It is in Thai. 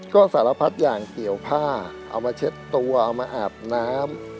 ก็สารพัดอย่างเกี่ยวผ้าเอามาเช็ดตัวเอามาอาบน้ำ